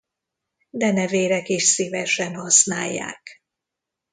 Denevérek is szívesen használják.